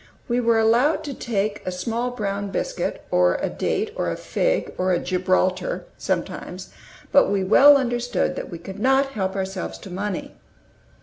We were allowed to take a "small brown" biscuit, or a date, or a fig, or a "gibraltar," sometimes; but we well understood that we could not help ourselves to money.